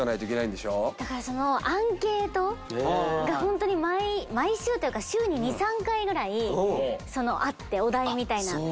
だからアンケートがホントに毎週というか週に２３回ぐらいあってお題みたいな。